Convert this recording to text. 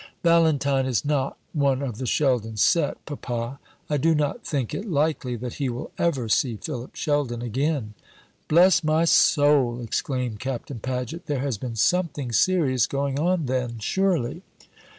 "Valentine is not one of the Sheldon set, papa. I do not think it likely that he will ever see Philip Sheldon again." "Bless my soul!" exclaimed Captain Paget. "There has been something serious going on, then, surely?"